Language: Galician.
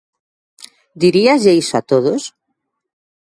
Diríaslle iso a todos?